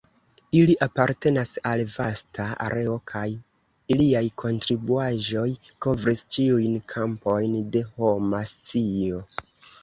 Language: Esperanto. Ili apartenas al vasta areo kaj iliaj kontribuaĵoj kovris ĉiujn kampojn de homa scio.